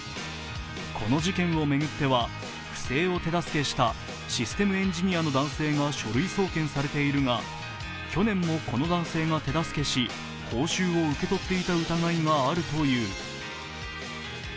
この事件を巡っては不正を手助けしたシステムエンジニアの男性が書類送検されているが去年もこの男性が手助けし、報酬を受け取っていた疑いがあるという。